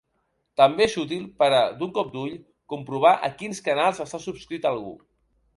També és útil per a, d'un cop d'ull, comprovar a quins canals està subscrit algú.